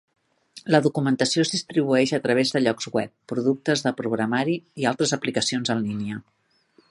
La documentació es distribueix a través de llocs web, productes de programari i altres aplicacions en línia.